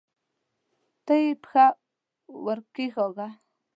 ته یې پښه ورکښېکاږه!